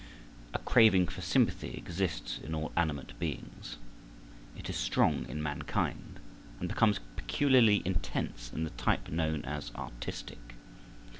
A craving for sympathy exists in all animate beings. It is strong in mankind and becomes peculiarly intense in the type known as artistic.